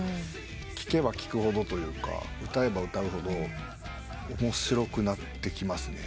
聴けば聴くほどというか歌えば歌うほど面白くなってきますね。